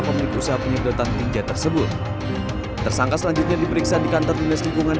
pemilik usaha penyedotan tinja tersebut tersangka selanjutnya diperiksa di kantor dinas lingkungan